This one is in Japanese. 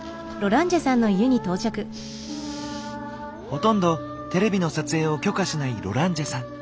ほとんどテレビの撮影を許可しないロランジェさん。